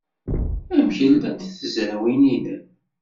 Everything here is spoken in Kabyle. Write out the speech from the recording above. Amek llant tezrawin-nnem?